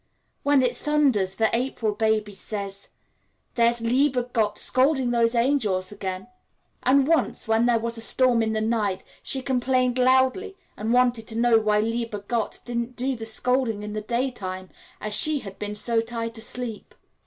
When it thunders, the April baby says, "There's lieber Gott scolding those angels again." And once, when there was a storm in the night, she complained loudly, and wanted to know why lieber Gott didn't do the scolding in the daytime, as she had been so tight asleep.